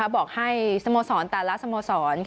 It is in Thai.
บอกให้สโมสรแต่ละสโมสร